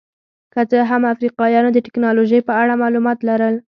که څه هم افریقایانو د ټکنالوژۍ په اړه معلومات لرل.